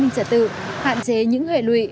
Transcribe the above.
trả tự hạn chế những hệ lụy